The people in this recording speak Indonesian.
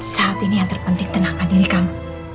saat ini yang terpenting tenangkan diri kami